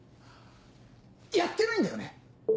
やってないんだよね？